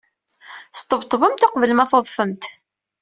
Sṭebṭbemt uqbel ma tudfemt.